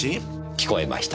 聞こえました。